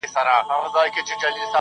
هغه وايي يو درد مي د وزير پر مخ گنډلی.